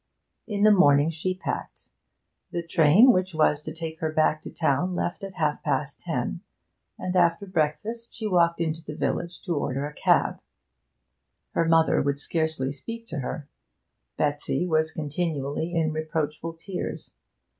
In the morning she packed. The train which was to take her back to town left at half past ten, and after breakfast she walked into the village to order a cab. Her mother would scarcely speak to her; Betsy was continually in reproachful tears.